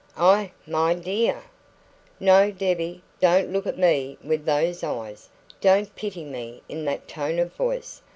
"Ah, my dear " "No, Debbie, don't look at me with those eyes don't pity me in that tone of voice.